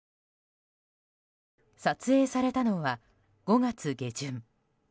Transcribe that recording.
撮影されたのは５月下旬。